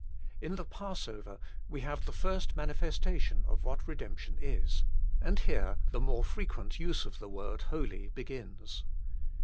In the passover we have the first manifestation of what Redemption is ; and here the more frequent use of the word holy begins.